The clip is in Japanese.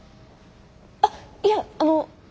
あっいえあの。